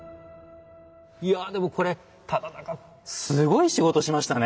いやでもこれ忠敬すごい仕事しましたね。